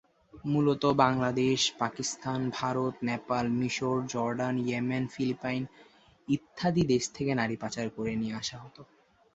মূলত বাংলাদেশ, পাকিস্তান, ভারত, নেপাল, মিশর, Jordan, Yemen, Philippine ইত্যাদি দেশ থেকে নারী পাচার করে নিয়ে আসা হতো।